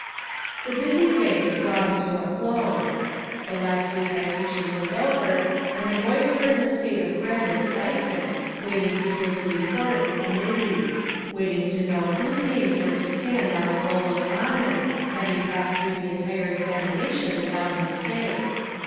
The busy day was drawing to a close; the last recitation was over, and the boys were in a state of grand excitement, waiting to hear the report of the committee; waiting to know whose names were to stand on the Roll of Honour, having passed through the entire examination without a mistake.